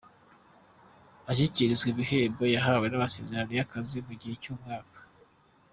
Ashyikirizwa ibihembo, yahawe n’amasezerano y’akazi mu gihe cy’umwaka.